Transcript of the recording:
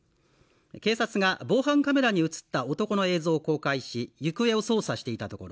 警察が防犯カメラに映った男の映像を公開し行方を捜査していたところ